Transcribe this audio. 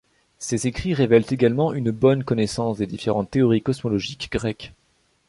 Ses écrits révèlent également une bonne connaissance des différentes théories cosmologiques grecques.